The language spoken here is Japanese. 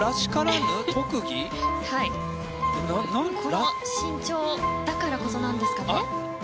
この身長だからこそなんですかね。